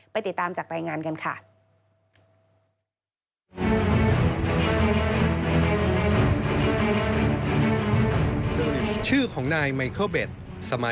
ติดตามจากรายงานกันค่ะ